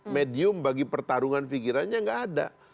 medium bagi pertarungan pikirannya nggak ada